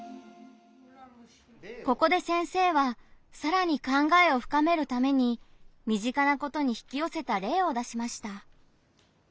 ここで先生はさらに考えを深めるために身近なことに引きよせた例を出しました。